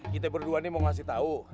kita berdua nih mau ngasih tau